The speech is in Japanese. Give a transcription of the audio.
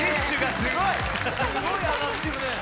すごい上がってるね。